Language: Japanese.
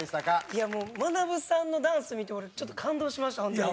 いやもうまなぶさんのダンス見て俺ちょっと感動しましたホントに。